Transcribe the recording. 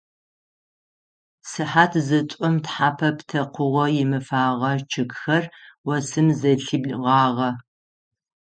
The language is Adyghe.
Сыхьат зытӏум тхьэпэ пытэкъугъо имыфэгъэ чъыгхэр осым зэлъибгъагъэ.